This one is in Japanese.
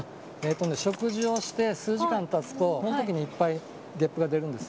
食事をして、数時間たつと、そのときにいっぱいゲップが出るんです。